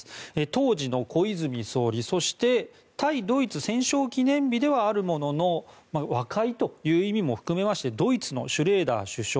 当時の小泉総理そして、対ドイツ戦勝記念日ではあるものの和解という意味も含めましてドイツのシュレーダー首相。